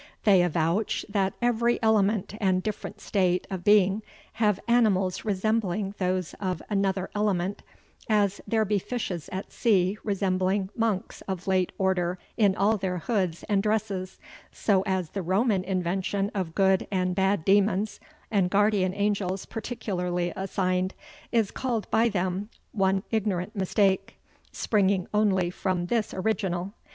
They avouch that every element and different state of being have animals resembling those of another element, as there be fishes at sea resembling Monks of late order in all their hoods and dresses, so as the Roman invention of good and bad daemons and guardian angels particularly assigned, is called by them ane ignorant mistake, springing only from this originall.